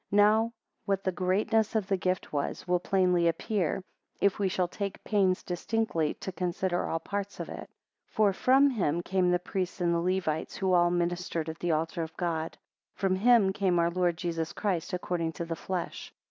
14 Now what the greatness of this gift was, will plainly appear, if we shall take the pains distinctly to consider all the parts of it. 15 For, from him came the priests and Levites; who all ministered at the altar of God. 16 From him came our Lord Jesus Christ, according to the flesh.